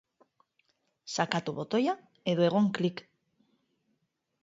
Sakatu botoia edo egon klik.